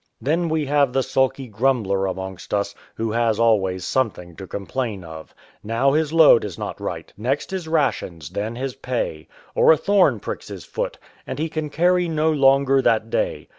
Then we have the sulky grumbler amongst us, who has always something to complain of. Now his load is not right, next his rations, then his pay; or a thorn pricks his foot, and he can carrry no longer that day.